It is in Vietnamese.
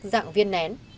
dạng viên nén